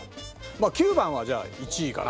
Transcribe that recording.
まあ９番はじゃあ１位かな。